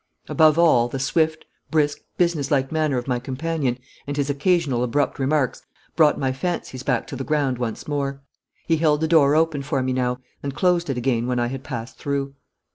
Above all, the swift, brisk, business like manner of my companion, and his occasional abrupt remarks, brought my fancies back to the ground once more. He held the door open for me now, and closed it again when I had passed through.